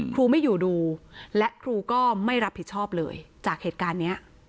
ครูไม่อยู่ดูและครูก็ไม่รับผิดชอบเลยจากเหตุการณ์นี้